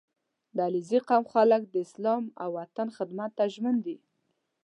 • د علیزي قوم خلک د اسلام او وطن خدمت ته ژمن دي.